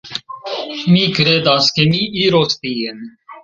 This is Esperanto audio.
Mi kredas, ke mi iros tien.